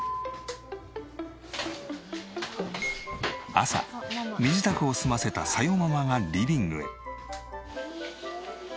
朝身支度を済ませた紗代ママがリビングへ。